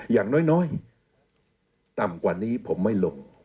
อย่างน้อยต่ำกว่านี้ผมไม่หลบ